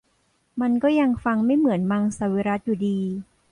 มันก็ยังฟังไม่เหมือนมังสวิรัติอยู่ดี